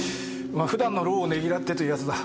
普段の労をねぎらってというやつだ。